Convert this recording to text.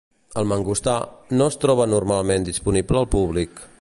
El mangostà, no es troba normalment disponible al públic.